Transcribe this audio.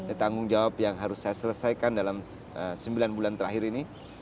ada tanggung jawab yang harus saya selesaikan dalam sembilan bulan terakhir ini